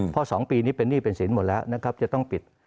เพราะ๒ปีนี้เป็นหนี้เป็นสินหมดแล้วนะครับจะต้องปิด